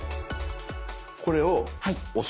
これを押す。